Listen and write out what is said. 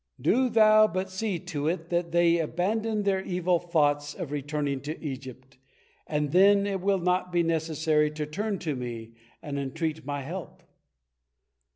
Do thou but see to it that they abandon their evil thought of returning to Egypt, and then it will not be necessary to turn to Me and entreat My help."